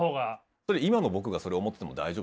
それ今の僕がそれを思ってても大丈夫ですかね。